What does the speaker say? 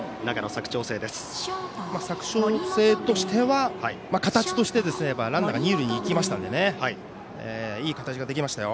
佐久長聖としては形としてはランナーが二塁に行きましたのでいい形ができましたよ。